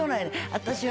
私は。